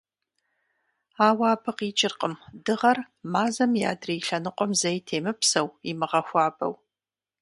Ауэ абы къикӏыркъым Дыгъэр Мазэм и адрей лъэныкъуэм зэи темыпсэу, имыгъэхуабэу.